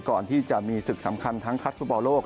ก่อนที่จะมีศึกสำคัญทั้งคัดฟุตบอลโลก